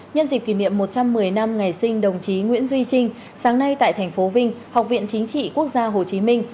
nhân dịp kỷ niệm một trăm một mươi năm ngày sinh đồng chí nguyễn duy trinh sáng nay tại thành phố vinh học viện chính trị quốc gia hồ chí minh